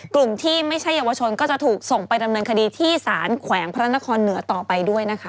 กลุ่มที่ไม่ใช่เยาวชนก็จะถูกส่งไปดำเนินคดีที่สารแขวงพระนครเหนือต่อไปด้วยนะคะ